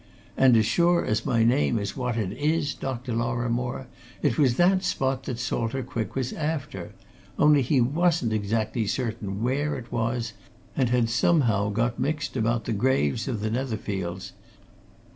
And as sure as my name is what it is, Dr. Lorrimore, it was that spot that Salter Quick was after only he wasn't exactly certain where it was, and had somehow got mixed about the graves of the Netherfields.